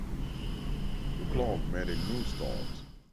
The club made a new start.